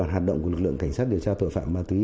hoạt động của lực lượng cảnh sát điều tra tội phạm ma túy